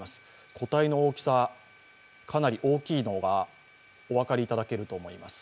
個体の大きさ、かなり大きいのがお分かりいただけると思います。